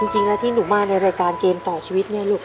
จริงแล้วที่หนูมาในรายการเกมต่อชีวิตเนี่ยลูก